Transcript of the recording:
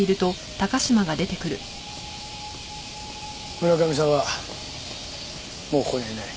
村上さんはもうここにはいない。